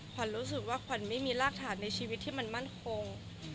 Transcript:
ขวัญรู้สึกว่าขวัญไม่มีรากฐานในชีวิตที่มันมั่นคง